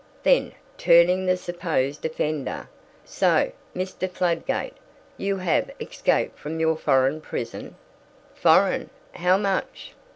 Then, turning the supposed offender, "So, Mr. Fladgate, you have escaped from your foreign prison." "Foreign, how much?